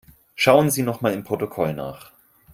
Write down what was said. Schauen Sie nochmal im Protokoll nach.